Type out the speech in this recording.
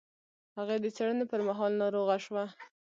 هغې د څېړنې پر مهال ناروغه شوه.